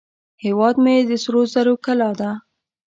هیواد مې د سرو زرو کلاه ده